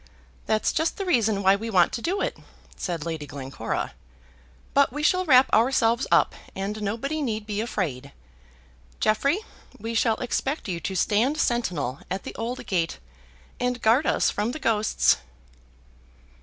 "That's just the reason why we want to do it," said Lady Glencora. "But we shall wrap ourselves up, and nobody need be afraid. Jeffrey, we shall expect you to stand sentinel at the old gate, and guard us from the ghosts."